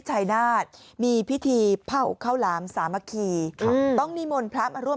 ชายนาฏมีพิธีเผ่าข้าวหลามสามัคคีค่ะต้องนิมนต์พระมาร่วม